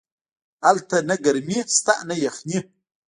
هلته نه گرمي سته نه يخني.